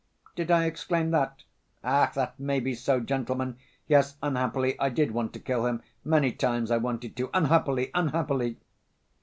" "Did I exclaim that? Ach, that may be so, gentlemen! Yes, unhappily, I did want to kill him ... many times I wanted to ... unhappily, unhappily!"